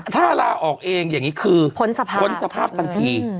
ถ้าร่าออกเองคือพ้นสภาพทันที